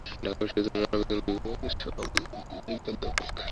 ঢাকা বিশ্ববিদ্যালয়ের মনোবিজ্ঞান বিভাগের সহযোগী অধ্যাপক।